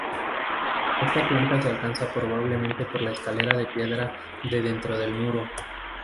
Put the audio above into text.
Esta planta se alcanzaba probablemente por la escalera de piedra de dentro del muro.